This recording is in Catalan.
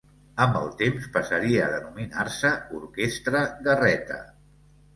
Amb el temps, passaria a denominar-se Orquestra Garreta.